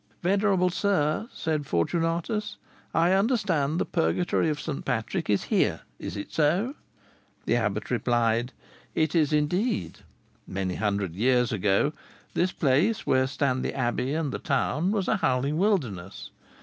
"Venerable sir!" said Fortunatus, "I understand the Purgatory of St. Patrick is here: is it so?" The abbot replied, "It is so indeed. Many hundred years ago, this place, where stand the abbey and the town, was a howling wilderness.